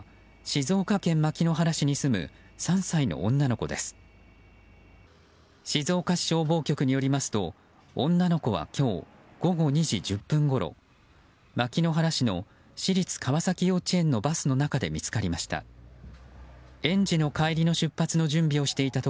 静岡市消防局によりますと女の子は今日午後２時１０分ごろ牧之原市の私立川崎幼稚園のバスの中で見つかりました。